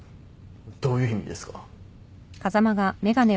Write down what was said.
どういう意味ですか？